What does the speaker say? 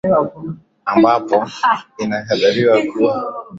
ambapo inakadiriwa kuwa watu zaidi ya laki moja walipoteza maisha